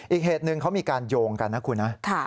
อีกเหตุหนึ่งเขามีการโยงกันนะคุณนะ